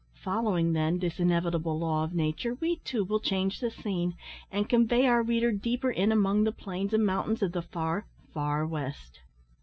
Following, then, this inevitable law of nature, we, too, will change the scene, and convey our reader deeper in among the plains and mountains of the far, "far west."